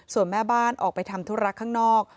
ส่วนแม่บ้านออกไปทำธุระข้างนอก